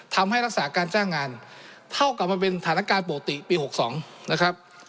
ทำให้รักษาการจ้างงานเท่ากับมันเป็นสถานการณ์ปกติปี๖๒นะครับ